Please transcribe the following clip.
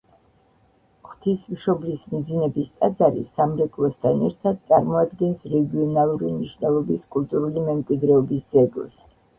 ღვთისმშობლის მიძინების ტაძარი სამრეკლოსთან ერთად წარმოადგენს რეგიონალური მნიშვნელობის კულტურული მემკვიდრეობის ძეგლს.